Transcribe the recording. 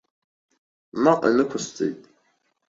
Наҟ инықәысҵеит.